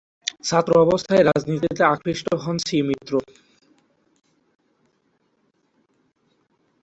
ছাত্রাবস্থায় রাজনীতিতে আকৃষ্ট হন শ্রী মিত্র।